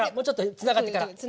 つながってから。